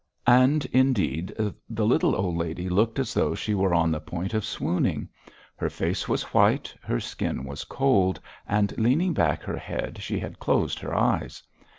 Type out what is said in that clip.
And indeed the little old lady looked as though she were on the point of swooning. Her face was white, her skin was cold, and leaning back her head she had closed her eyes.